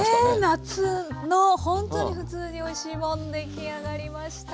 夏のほんとに「ふつうにおいしいもん」出来上がりました。